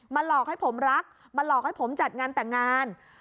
หลอกให้ผมรักมาหลอกให้ผมจัดงานแต่งงาน